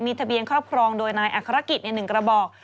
ทะเบียนครอบครองโดยนายอัครกิจ๑กระบอก